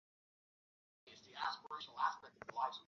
নিসার আলি খাওয়া শেষ করে হাত ধুয়ে বিছানায় এসে বসলেন।